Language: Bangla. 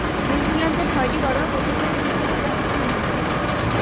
নিউজিল্যান্ডের ছয়টি ঘরোয়া প্রথম-শ্রেণীর ক্রিকেট দলের অন্যতম এ দল।